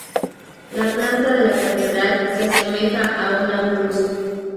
La planta de la catedral se asemeja a una cruz.